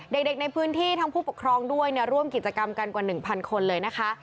เด็กในพื้นที่ทั้งผู้ปกครองด้วยร่วมกิจกรรมกันกว่า๑๐๐คนเลยนะคะ